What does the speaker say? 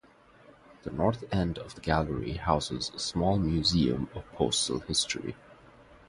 The north end of the gallery houses a small Museum of Postal History.